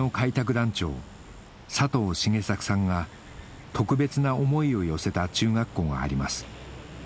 団長佐藤繁作さんが特別な思いを寄せた中学校があります